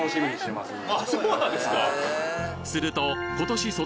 そうなんですか？